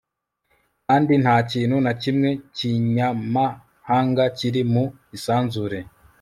kandi nta kintu na kimwe kinyamahanga kiri mu isanzure